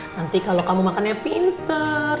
nanti kalau kamu makannya pinter